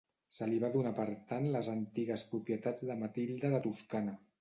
Se li va donar per tant les antigues propietats de Matilde de Toscana.